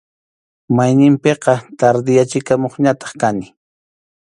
Mayninpiqa tardeyachikamuqñataq kani.